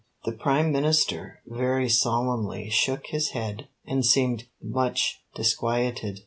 The Prime Minister very solemnly shook his head and seemed much disquieted.